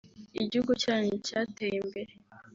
Igihugu cyanyu cyateye imbere